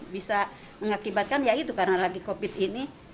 bisa mengakibatkan ya itu karena lagi covid ini